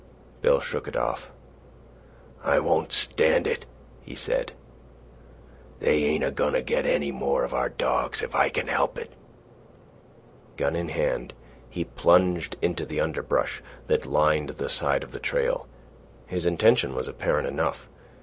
Bill shook it off. "I won't stand it," he said. "They ain't a goin' to get any more of our dogs if I can help it." Gun in hand, he plunged into the underbrush that lined the side of the trail. His intention was apparent enough.